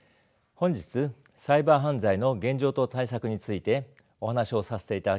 本日サイバー犯罪の現状と対策についてお話をさせていただきます